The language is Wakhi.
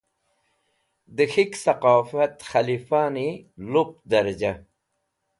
da k̃hik saqofat khalifa ni lup darja